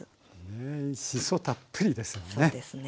へえしそたっぷりですよね。